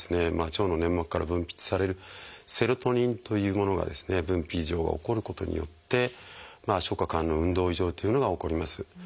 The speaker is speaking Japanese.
腸の粘膜から分泌されるセロトニンというものが分泌異常が起こることによって消化管の運動異常というのが起こります。